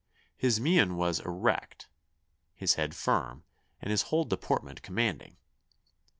His mien was erect, his head firm, and his whole deportment commanding.